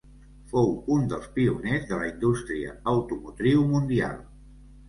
Fou un dels pioners de la indústria automotriu mundial.